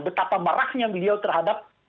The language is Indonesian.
betapa marahnya beliau terhadap